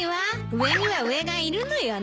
上には上がいるのよね。